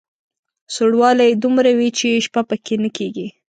سوړوالی یې دومره وي چې شپه په کې نه کېږي.